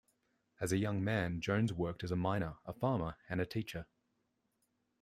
As a young man, Jones worked as a miner, a farmer, and a teacher.